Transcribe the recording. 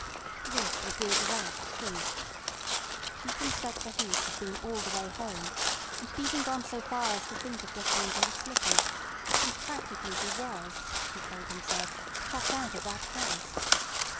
This was the exact truth. Chief Inspector Heat had been all the way home, and had even gone so far as to think of getting into his slippers, since practically he was, he told himself, chucked out of that case.